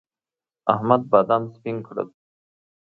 احمد بادام سپين کړل.